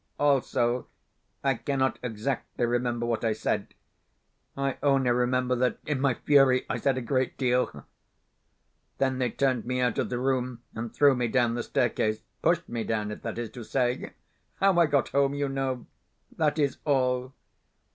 Also, I cannot exactly remember what I said. I only remember that in my fury I said a great deal. Then they turned me out of the room, and threw me down the staircase pushed me down it, that is to say. How I got home you know. That is all.